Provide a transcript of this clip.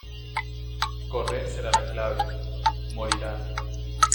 Correr será la clave, o morirá.